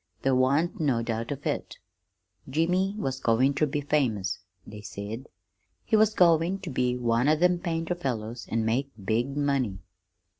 There wan't no doubt of it Jimmy was goin' ter be famous, they said. He was goin' ter be one o' them painter fellows, an' make big money.